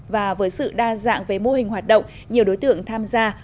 và với sự đa dạng về mô hình hoạt động nhiều đối tượng tham gia